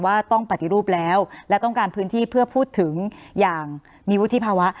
ว่าต้องปฏิรูปแล้วและต้องการพื้นที่เพื่อพูดถึงอย่างมีวุฒิภาวะ